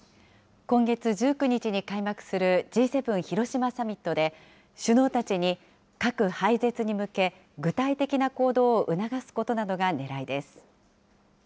今月１９日に開幕するＧ７広島サミットで、首脳たちに核廃絶に向け具体的な行動を促すことなどがねらいです。